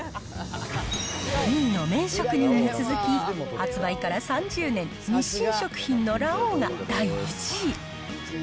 ２位の麺職人に続き、発売から３０年、日清食品のラ王が第１位。